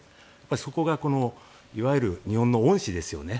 そこがいわゆる日本の恩師ですよね。